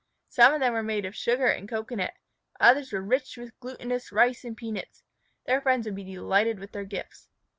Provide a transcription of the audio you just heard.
Some of them were made of sugar and cocoanut. Others were rich with glutinous rice and peanuts. Their friends would be delighted with their gifts.